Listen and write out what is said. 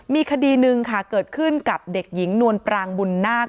มีคดีหนึ่งค่ะเกิดขึ้นกับเด็กหญิงนวลปรางบุญนาค